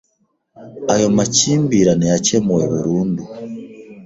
Ayo makimbirane yakemuwe burundu.